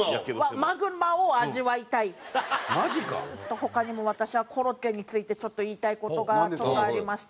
他にも私はコロッケについてちょっと言いたい事がありまして。